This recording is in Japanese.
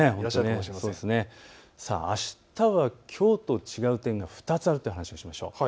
あしたはきょうと違う点、２つあるという話をしましょう。